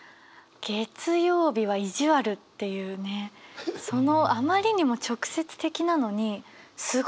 「月曜日は意地わる」っていうねそのあまりにも直接的なのにすごく分かる。